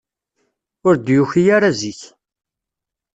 Ur d-yuki ara zik.